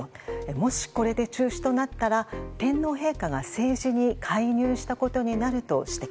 もし、これで中止となったら天皇陛下が政治に介入したことになると指摘。